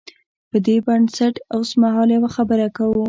پر دې بنسټ اوسمهال یوه خبره کوو.